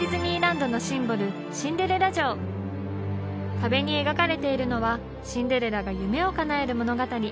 壁に描かれているのはシンデレラが夢をかなえる物語。